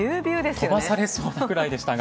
飛ばされそうなくらいでしたが。